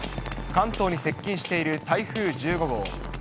関東に接近している台風１５号。